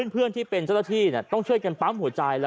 เพื่อนที่เป็นเจ้าหน้าที่ต้องช่วยกันปั๊มหัวใจ